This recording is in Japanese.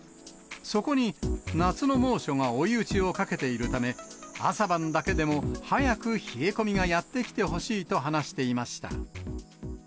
そこに夏の猛暑が追い打ちをかけているため、朝晩だけでも早く冷え込みがやってきてほしいと話していました。